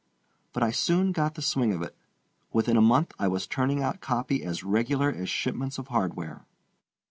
But I soon got the swing of it. Within a month I was turning out copy as regular as shipments of hardware.